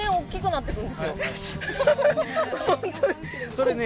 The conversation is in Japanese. それね。